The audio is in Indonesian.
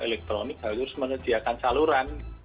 elektronik harus menerjakan saluran